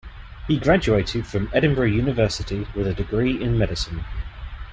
He graduated from Edinburgh University with a degree in medicine.